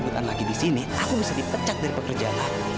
kalau aku dijemputan lagi di sini aku bisa dipecat dari pekerjaan aku